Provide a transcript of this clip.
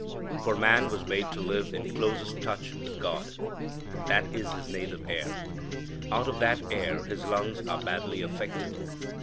For man was made to live in closest touch with God. That is his native air. Out of that air his lungs are badly affected.